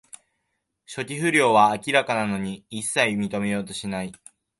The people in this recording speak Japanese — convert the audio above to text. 初期不良は明らかなのに、いっさい認めようとしない